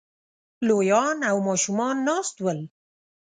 لويان او ماشومان ناست ول